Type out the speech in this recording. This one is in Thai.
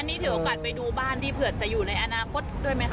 อันนี้ถือโอกาสไปดูบ้านที่เผลอจะอยู่ในอนาคตด้วยมั้ยค่ะ